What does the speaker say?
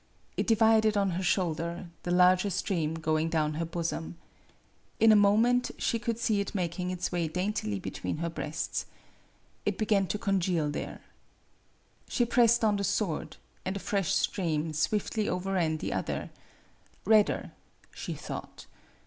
It divided on her shoulder, the larger stream going down her bosom. In a moment she could see it making its way daintily between her breasts. It began to congeal there. She pressed on the sword, and a fresh stream swiftly overran the other redder, she thought.